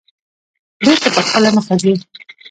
بېرته په خپله مخه ځي.